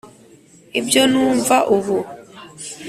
ibyo numva ubu.